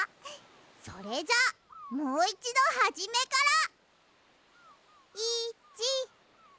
それじゃあもういちどはじめから。